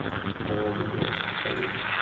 আমি ওদিকে বসতে পারি?